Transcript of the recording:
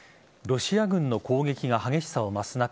ロシア軍の攻撃が激しさを増す中